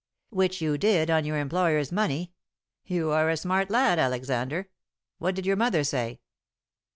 "Which you did on your employer's money. You are a smart lad, Alexander. What did your mother say?"